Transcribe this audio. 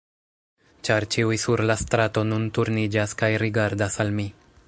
ĉar ĉiuj sur la strato nun turniĝas kaj rigardas al mi.